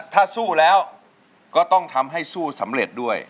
ถ้าสู้แล้วก็ต้องทำให้สู้สำเร็จด้วย